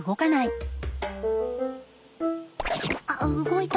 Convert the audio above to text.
あっ動いた。